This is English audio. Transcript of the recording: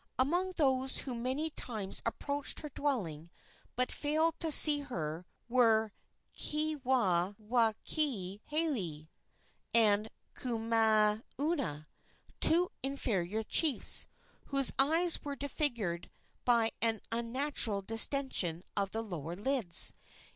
Among those who many times approached her dwelling but failed to see her were Keawaawakiihelei and Kumauna, two inferior chiefs, whose eyes were disfigured by an unnatural distention of the lower lids.